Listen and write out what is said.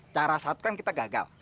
cara satu kan kita gagal